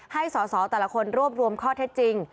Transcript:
ให้สอสอแต่ละคนรวบรวมข้อเท็จจริง